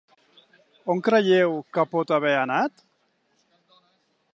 On creieu que pot haver anat?